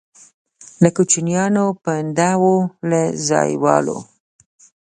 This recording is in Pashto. له کوچیانو پونده وو له ځایوالو.